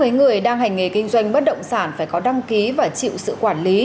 với người đang hành nghề kinh doanh bất động sản phải có đăng ký và chịu sự quản lý